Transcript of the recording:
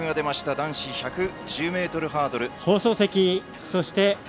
男子１１０ｍハードルです。